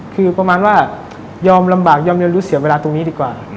คือประมาณว่ายอมลำบากยอมเรียนรู้เสียเวลาตรงนี้ดีกว่า